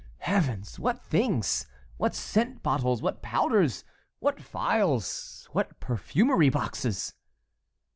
Heavens! What things! What scent bottles, what powders, what phials, what perfumery boxes!"